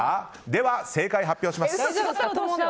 では正解を発表します。